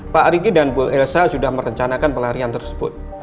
pak riki dan bu elsa sudah merencanakan pelarian tersebut